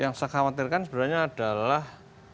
yang saya khawatirkan sebenarnya adalah